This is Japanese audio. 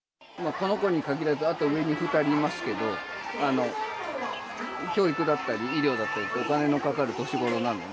この子に限らず、あと上に２人いますけど、教育だったり医療だったり、お金のかかる年ごろなので。